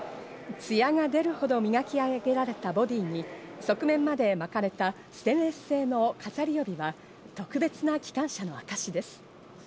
艶が出るほど磨き上げられたボディーに、側面まで巻かれたステンレス製の飾り帯は特別な機関車の証です。